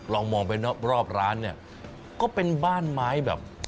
ลองมองไปรอบร้านเนี่ยก็เป็นบ้านไม้แบบ